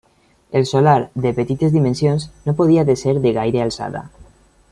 El solar, de petites dimensions, no podia de ser de gaire alçada.